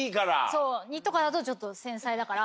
そう２とかだとちょっと繊細だから。